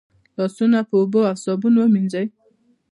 لاسونه په اوبو او صابون مینځئ.